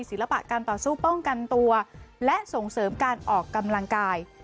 ศิลปะการต่อสู้ป้องกันตัวและส่งเสริมการออกกำลังกาย